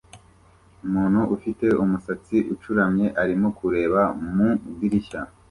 Umuntu ufite umusatsi ucuramye arimo kureba mu idirishya